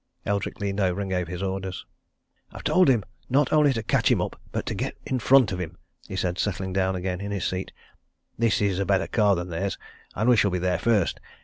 Eldrick leaned over and gave his orders. "I've told him not only to catch him up, but to get in front of 'em," he said, settling down again in his seat. "This is a better car than theirs, and we shall be there first.